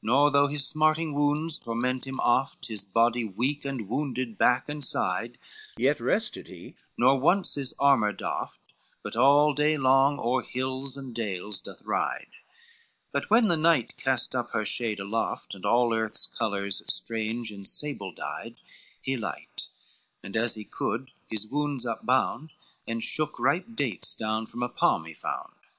V Nor though his smarting wounds torment him oft, His body weak and wounded back and side, Yet rested he, nor once his armor doffed, But all day long o'er hills and dales doth ride: But when the night cast up her shade aloft And all earth's colors strange in sables dyed, He light, and as he could his wounds upbound, And shook ripe dates down from a palm he found.